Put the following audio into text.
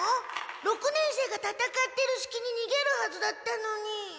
六年生がたたかってるすきににげるはずだったのに。